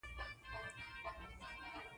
وجدان یې په عذابوي.